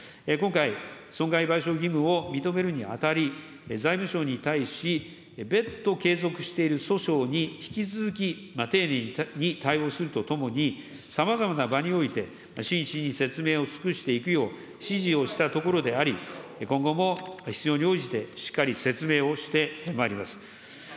今回、損害賠償義務を認めるにあたり、財務省に対し、別途係属している訴訟に引き続き丁寧に対応するとともに、さまざまな場において、真摯に説明を尽くしていくよう指示をしたところであり、今後も必要に応じてしっかり説明をしてまいります。